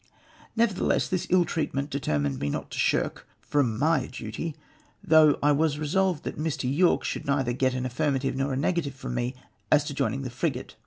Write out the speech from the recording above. Nevertheless, this ill treatment determined me not to shrink from my duty, though I was resolved that Mr, Yorke should neither get an affirmative nor a negative from me as to joining the frigate.